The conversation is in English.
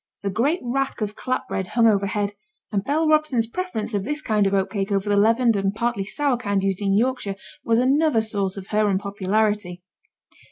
The great rack of clap bread hung overhead, and Bell Robson's preference of this kind of oat cake over the leavened and partly sour kind used in Yorkshire was another source of her unpopularity.